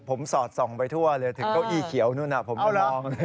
ผมสอดส่องไปทั่วเลยถึงเก้าอี้เขียวนู่นผมก็มองเลย